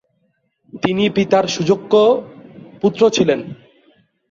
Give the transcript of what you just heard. তিনি পিতার সুযোগ্য পুত্র ছিলেন।